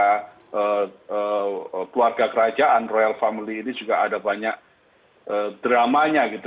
karena keluarga kerajaan royal family ini juga ada banyak dramanya gitu